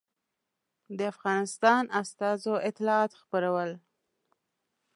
د افغانستان استازو اطلاعات خپرول.